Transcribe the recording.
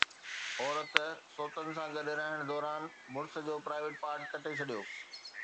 عورت سوتن سان گڏ رهڻ دوران مڙس جو پرائيويٽ پارٽ ڪٽي ڇڏيو